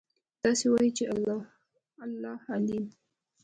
داسې وایئ چې: الله أعلم.